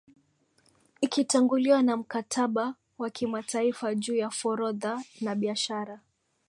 ikitanguliwa na Mkataba wa Kimataifa juu ya Forodha na Biashara